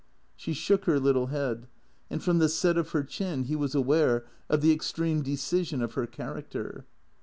She shook her little head ; and from the set of her chin he was aware of the extreme decision of her character.